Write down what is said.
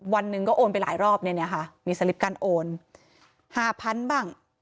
วันหนึ่งก็โอนไปหลายรอบเนี่ยค่ะมีสลิปการโอน๕๐๐๐บ้าง